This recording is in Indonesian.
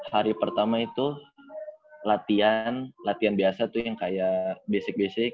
hari pertama itu latihan latihan biasa tuh yang kayak basic basic